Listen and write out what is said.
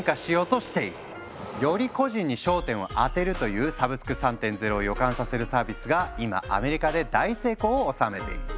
より個人に焦点を当てるという「サブスク３．０」を予感させるサービスが今アメリカで大成功を収めている。